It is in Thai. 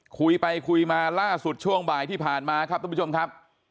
คุยไปคุยมาล่าสุดช่วงบ่ายที่ผ่านมาครับทุกผู้ชมครับ